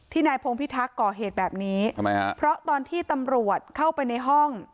นายพงพิทักษ์ก่อเหตุแบบนี้ทำไมฮะเพราะตอนที่ตำรวจเข้าไปในห้อง